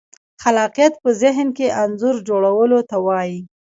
خلاقیت په ذهن کې انځور جوړولو ته وایي.